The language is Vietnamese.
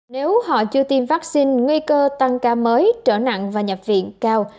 nếu họ chưa tiêm vaccine nguy cơ tăng ca mới trở nặng và nhập viện cao